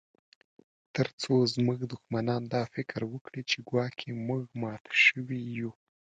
ترڅو زموږ دښمنان دا فکر وکړي چې ګواکي موږ مات شوي یو